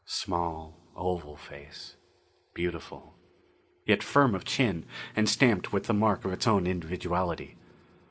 Small, oval face beautiful yet firm of chin, and stamped with the mark of its own individuality.